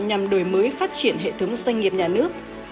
nhằm đổi mới phát triển hệ thống doanh nghiệp nhà nước